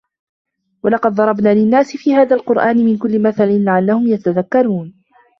وَلَقَد ضَرَبنا لِلنّاسِ في هذَا القُرآنِ مِن كُلِّ مَثَلٍ لَعَلَّهُم يَتَذَكَّرونَ